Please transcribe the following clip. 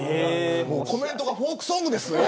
コメントがフォークソングですね。